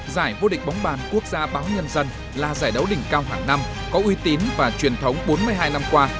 giải vô địch bóng bàn quốc gia báo nhân dân là giải đấu đỉnh cao hàng năm có uy tín và truyền thống bốn mươi hai năm qua